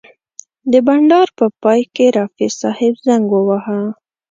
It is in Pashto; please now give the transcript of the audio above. د بنډار په پای کې رفیع صاحب زنګ وواهه.